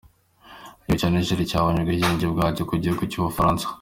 Igihugu cya Niger cyabonye ubwigenge bwacyo ku gihugu cy’ubufaransa.